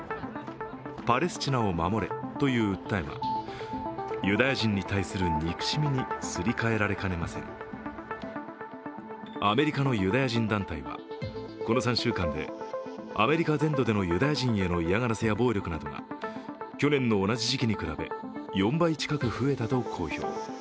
パレスチナを守れという訴えはユダヤ人に対する憎しみにすり替えられませんアメリカのユダヤ人団体はこの３週間で、アメリカ全土でのユダヤ人への嫌がらせや暴力などが去年の同じ時期に比べ４倍近く増えたと公表。